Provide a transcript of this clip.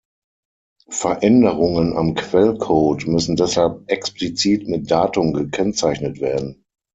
Veränderungen am Quellcode müssen deshalb explizit mit Datum gekennzeichnet werden.